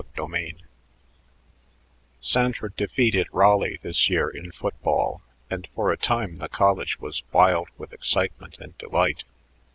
CHAPTER XV Sanford defeated Raleigh this year in football, and for a time the college was wild with excitement and delight.